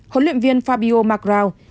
huấn luyện viên fabio mcgrath